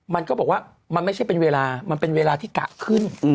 มันก็บอกว่ามันไม่ใช่เป็นเวลามันเป็นเวลาที่กะขึ้น